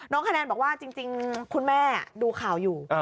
คะแนนบอกว่าจริงคุณแม่ดูข่าวอยู่